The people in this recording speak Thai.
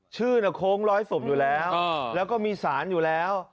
โค้งร้อยศพอยู่แล้วแล้วก็มีสารอยู่แล้ว